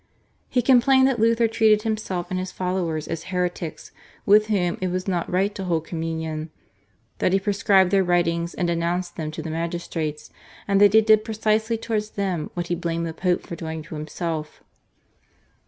He complained that Luther treated himself and his followers as heretics with whom it was not right to hold communion, that he proscribed their writings and denounced them to the magistrates, and that he did precisely towards them what he blamed the Pope for doing to himself.